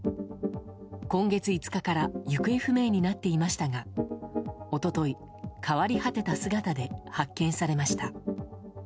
今月５日から行方不明になっていましたが一昨日、変わり果てた姿で発見されました。